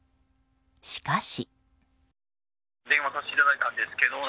しかし。